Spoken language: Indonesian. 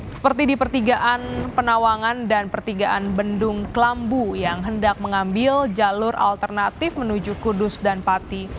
seperti di pertigaan penawangan dan pertigaan bendung klambu yang hendak mengambil jalur alternatif menuju kudus dan pati